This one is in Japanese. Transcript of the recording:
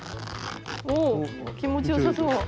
気持ちよさそう。